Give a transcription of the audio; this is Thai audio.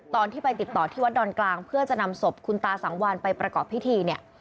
ตอนที่ไปติดต่อที่วัดดอนกลางเพื่อจะนำศพคุณตาสังวานไปประกอบพิธีเนี่ย